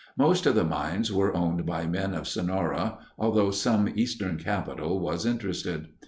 Most of the mines were owned by men of Sonora, although some Eastern capital was interested.